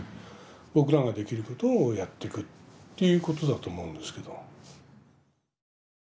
僕らができることをやっていくっていうことだと思うんですけど。